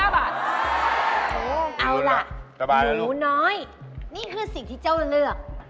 ๖๙บาทโอ้โหเอาล่ะหมูน้อยนี่คือสิ่งที่เจ้าจะเลือก